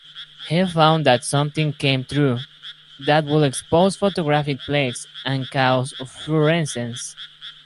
He found that something came through, that would expose photographic plates and cause fluorescence.